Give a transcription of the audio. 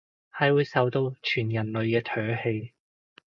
係會受到全人類嘅唾棄